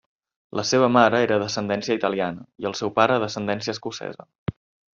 La seva mare era d'ascendència italiana i el seu pare d'ascendència escocesa.